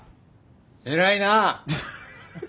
偉いな！